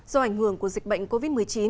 do ảnh hưởng của dịch bệnh covid một mươi chín